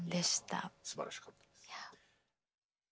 すばらしかったです。